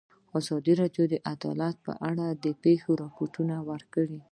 ازادي راډیو د عدالت په اړه د پېښو رپوټونه ورکړي.